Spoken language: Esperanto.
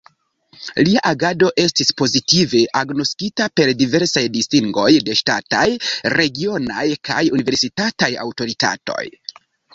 Lia agado estis pozitive agnoskita per diversaj distingoj de ŝtataj, regionaj kaj universitataj aŭtoritatoj.